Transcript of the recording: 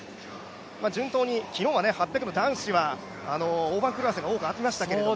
順当に、昨日は８００の男子は大番狂わせが多くありましたけども。